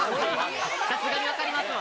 さすがに分かりますわ、